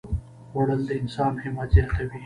خوړل د انسان همت زیاتوي